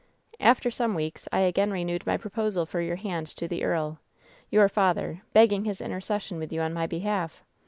"After some weeks I again renewed my proposal for your hand to the earl, your father, be^ng his interces sion with you on my behalf.